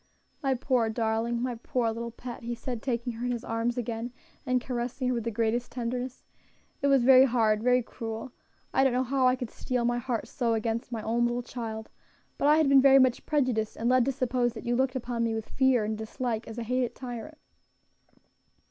"My poor darling! my poor little pet!" he said, taking her in his arms again, and caressing her with the greatest tenderness, "it was very hard, very cruel. I don't know how I could steel my heart so against my own little child; but I had been very much prejudiced, and led to suppose that you looked upon me with fear and dislike, as a hated tyrant."